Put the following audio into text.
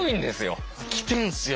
来てんすよ